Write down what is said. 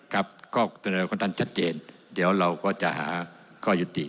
ข้อเสนอของท่านชัดเจนเดี๋ยวเราก็จะหาข้อยุติ